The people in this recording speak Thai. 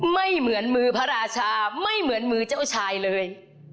ไม่เหมือนมือพระราชาไม่เหมือนมือเจ้าชายเลย